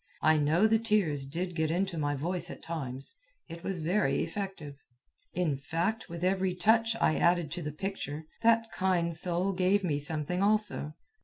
I know the tears did get into my voice at times. It was very effective. In fact, with every touch I added to the picture, that kind soul gave me something also.